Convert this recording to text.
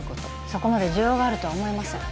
そこまで需要があると思えません